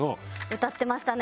歌ってましたね。